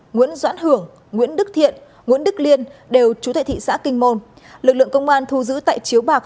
nguyễn doãn hưởng nguyễn đức thiện nguyễn đức liên đều trú tại thị xã kinh môn lực lượng công an thu giữ tại chiếu bạc